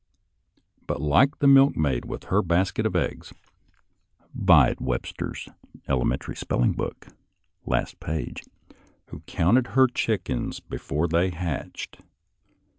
But, like the milkmaid with her basket of eggs, — ^vide Webster's " Elementary Spelling Book," last page, — ^who counted her chickens before they were hatched.